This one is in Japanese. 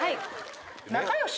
仲良し？